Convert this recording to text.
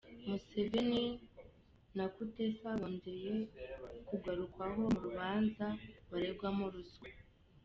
Museveni na Kutesa bongeye kugarukwaho mu rubanza baregwamo ruswa